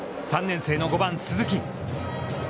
３年生の５番鈴木。